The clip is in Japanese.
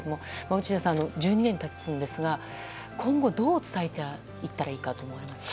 落合さん、１２年経つんですが今後、どう伝えていったらいいかと思いますか。